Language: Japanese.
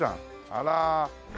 あら。